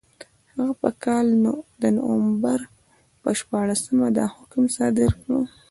هغه په کال د نومبر په شپاړسمه دا حکم صادر کړ.